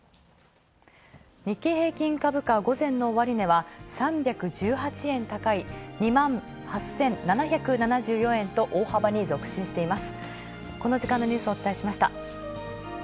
日経平均株価、午前の終値は、３１８円高い２８７７４円と大幅に続伸しています。